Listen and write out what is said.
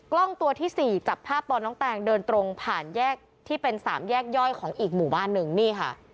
กล้องตัวที่สี่จับภาพตอนน้องแตงเดินตรงผ่านแยกที่เป็นสามแยกย่อยของอีกหมู่บ้านหนึ่งนี่ค่ะ